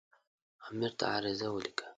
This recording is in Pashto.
امیر ته عریضه ولیکله.